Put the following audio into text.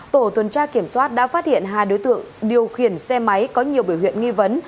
tổ tuần tra kiểm soát đã phát hiện hai đối tượng điều khiển xe máy có nhiều biểu hiện nghi vấn